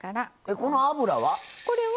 この油は？